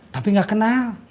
tapi nggak kenal